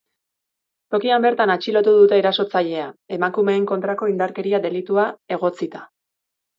Tokian bertan atxilotu dute erasotzailea, emakumeen kontrako indarkeria delitua egotzita.